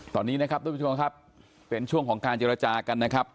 ตอนนี้นะครับทุกผู้ชมครับเป็นช่วงของการเจรจากันนะครับ